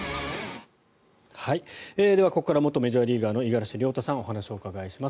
では、ここから元メジャーリーガーの五十嵐亮太さんにお話をお伺いします。